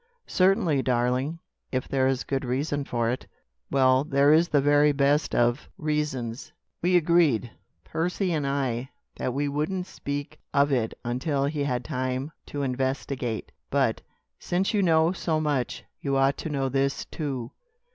"Certainly, darling, if there is good reason for it." "Well, there is the very best of reasons. We agreed Percy and I that we wouldn't speak of it until he had time to investigate; but, since you know so much, you ought to know this, too."